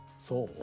そう？